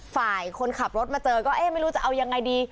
ฝ่ายคนขับรถมาเจอก็เอ๊ะไม่รู้จะเอายังไงดี